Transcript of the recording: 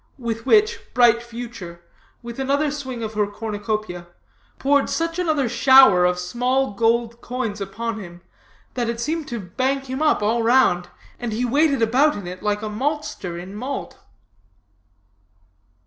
With which Bright Future, with another swing of her cornucopia, poured such another shower of small gold dollars upon him, that it seemed to bank him up all round, and he waded about in it like a maltster in malt.